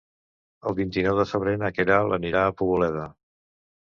El vint-i-nou de febrer na Queralt anirà a Poboleda.